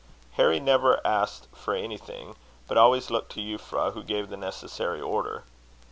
Harry never asked for anything, but always looked to Euphra, who gave the necessary order.